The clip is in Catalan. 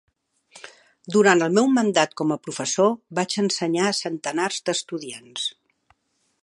Durant el meu mandat com a professor, vaig ensenyar centenars d'estudiants.